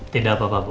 tidak apa apa bu